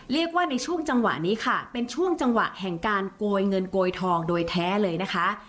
เรียกว่าในช่วงจังหวะนี้ค่ะเป็นช่วงจังหวะแห่งการโกยเงินโกยทองโดยแท้เลยนะคะ